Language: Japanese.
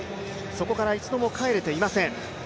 そこから一度も帰れていません。